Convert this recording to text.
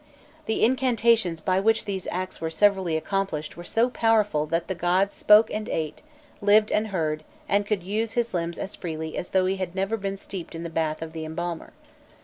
The incantations by which these acts were severally accompanied were so powerful that the god spoke and ate, lived and heard, and could use his limbs as freely as though he had never been steeped in the bath of the embalmer.